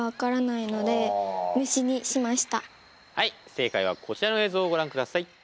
正解はこちらの映像をご覧ください。